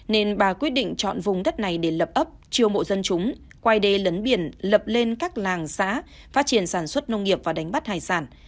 nên bà quyết định chọn vùng đất này để lập ấp chiêu mộ dân chúng quay đê lấn biển lập lên các làng xã phát triển sản xuất nông nghiệp và đánh bắt hải sản